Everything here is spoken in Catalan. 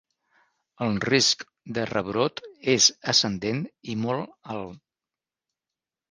El risc de rebrot és ascendent i molt alt.